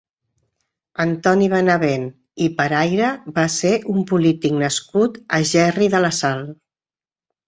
Antoni Benavent i Peraire va ser un polític nascut a Gerri de la Sal.